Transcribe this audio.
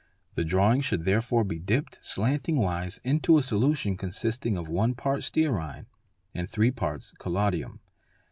'The drawing should therefore be dipped, slanting wise, into a solution consisting of one part of stearine and three parts of collodium.